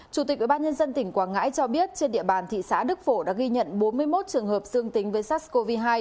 chủ tịch ubnd tỉnh quảng ngãi cho biết trên địa bàn thị xã đức phổ đã ghi nhận bốn mươi một trường hợp dương tính với sars cov hai